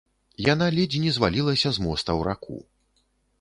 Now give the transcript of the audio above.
Яна ледзь не звалілася з моста ў раку.